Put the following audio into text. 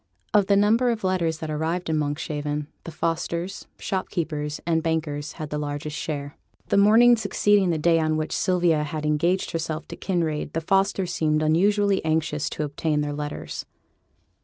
Of the number of letters that arrived in Monkshaven, the Fosters, shopkeepers and bankers, had the largest share. The morning succeeding the day on which Sylvia had engaged herself to Kinraid, the Fosters seemed unusually anxious to obtain their letters.